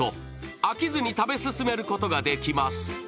飽きずに食べ進めることができます。